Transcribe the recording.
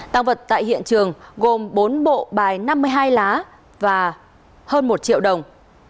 tăng vật tại hiện trường gồm bốn bộ bài năm mươi hai lá và hơn một triệu đồng